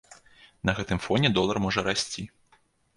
На гэтым фоне долар можа расці.